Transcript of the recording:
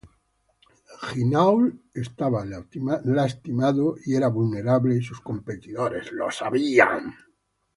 Hinault estaba lastimado y era vulnerable y sus competidores lo sabían.